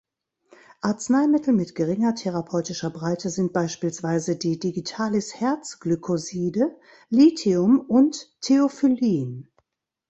Arzneimittel mit geringer therapeutischer Breite sind beispielsweise die Digitalis-Herzglykoside, Lithium und Theophyllin.